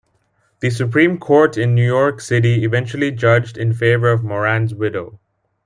The Supreme Court in New York City eventually judged in favor of Moran's widow.